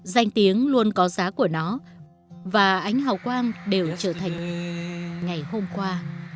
danh tiếng luôn có giá của nó và ánh hào quang đều trở thành ngày hôm qua